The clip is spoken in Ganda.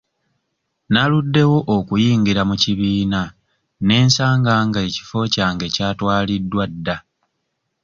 Naluddewo okuyingira mu kibiina ne nsanga nga ekifo kyange kyatwaliddwa dda.